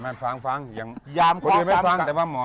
ไม่ฟังอย่าง